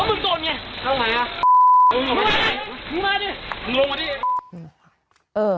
อืม